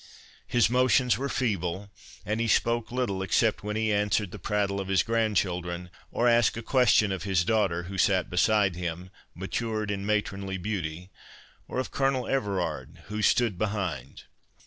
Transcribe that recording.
His motions were feeble, and he spoke little, except when he answered the prattle of his grandchildren, or asked a question of his daughter, who sate beside him, matured in matronly beauty, or of Colonel Everard who stood behind.